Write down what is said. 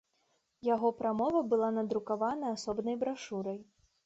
Яго прамова была надрукавана асобнай брашурай.